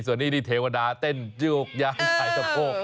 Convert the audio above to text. ส่วนนี้นี่เทวดาเต้นโยกย้ายสายสะโพก